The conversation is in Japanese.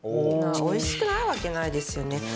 おいしくないわけないですよね。